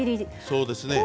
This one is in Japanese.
そうですね。